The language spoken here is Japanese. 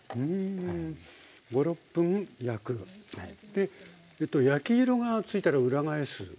で焼き色がついたら裏返す。